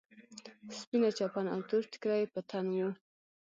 سپينه چپن او تور ټيکری يې په تن و.